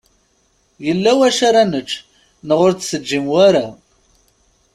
Yella wacu ara nečč neɣ ur d-teǧǧim wara?